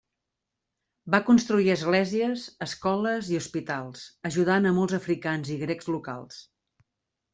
Va construir esglésies, escoles i hospitals, ajudant a molts africans i grecs locals.